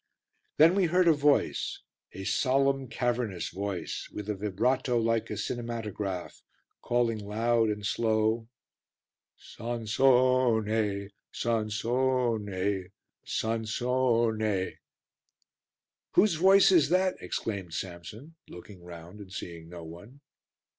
Then we heard a voice, a solemn, cavernous voice with a vibrato like a cinematograph, calling loud and slow "Sansone, Sansone, Sansone!" "Whose voice is that?" exclaimed Samson, looking round and seeing no one.